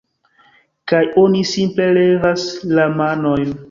kaj oni simple levas la manojn